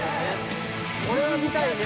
「これは見たいね！